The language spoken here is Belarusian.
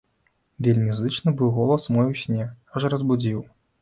Вельмі зычны быў голас мой у сне, аж разбудзіў.